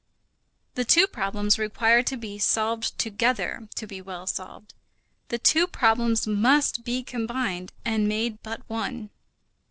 The two problems require to be solved together, to be well solved. The two problems must be combined and made but one.